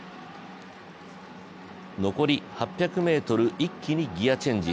残り８００ｍ一気にギヤチェンジ。